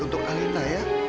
untuk alina ya